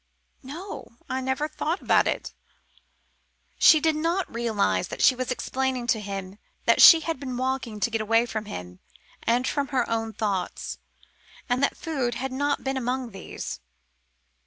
"No; I never thought about it." She did not realise that she was explaining to him that she had been walking to get away from him and from her own thoughts, and that food had not been among these.